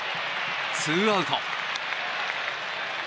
ツーアウト。